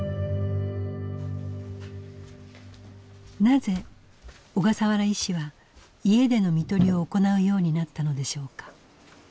なぜ小笠原医師は家での看取りを行うようになったのでしょうか。